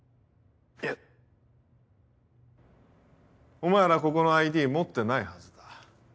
お前らここのＩＤ持ってないはずだ。